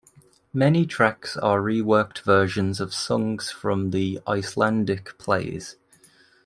Many tracks are reworked versions of songs from the Icelandic plays.